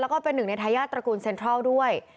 แล้วก็เป็นหนึ่งในทายาทตระกูลเซ็นทรัลด้วย